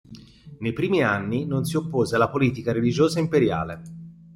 Nei primi anni non si oppose alla politica religiosa imperiale.